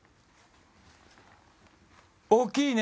大きいね。